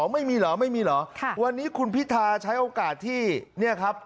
ไม่มีเหรอไม่มีเหรอวันนี้คุณพิทาใช้โอกาสที่เนี่ยครับ